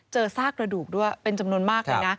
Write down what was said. ซากระดูกด้วยเป็นจำนวนมากเลยนะ